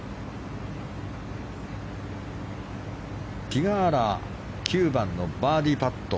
ティガーラ９番のバーディーパット。